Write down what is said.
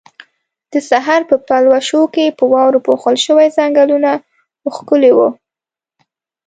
د سحر په پلوشو کې په واورو پوښل شوي ځنګلونه ښکلي وو.